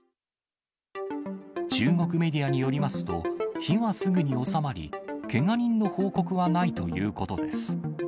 中国メディアによりますと、火はすぐに収まり、けが人の報告はないということです。